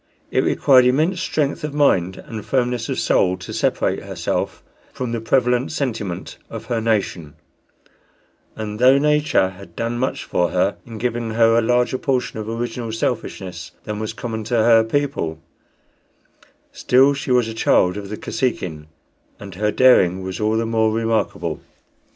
It required immense strength of mind and firmness of soul to separate herself from the prevalent sentiment of her nation; and though nature had done much for her in giving her a larger portion of original selfishness than was common to her people, still she was a child of the Kosekin, and her daring was all the more remarkable.